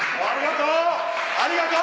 ありがとう！